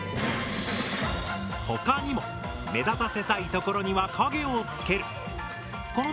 他にも目立たせたいところには影をつける。